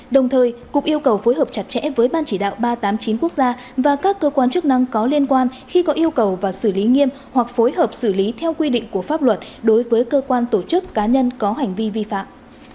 đồng thời cục yêu cầu phối hợp chặt chẽ với ban chỉ đạo ba trăm tám mươi chín quốc gia và các cơ quan chức năng có liên quan khi có yêu cầu và xử lý nghiêm hoặc phối hợp xử lý theo quy định của pháp luật đối với cơ quan tổ chức cá nhân có hành vi vi phạm